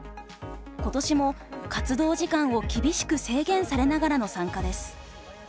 今年も活動時間を厳しく制限されながらの参加です。